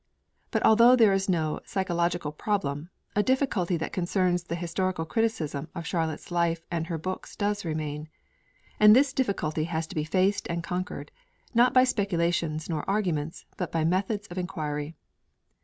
But although there is no psychological Problem, a difficulty that concerns the historical criticism of Charlotte's life and her books does remain. And this difficulty has to be faced and conquered, not by speculations nor arguments, but by methods of enquiry.